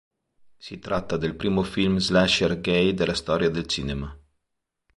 Si tratta del primo film slasher gay della storia del cinema.